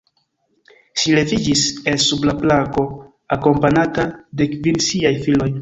Ŝi leviĝis el sub la planko, akompanata de kvin siaj filoj.